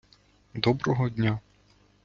доброго дня!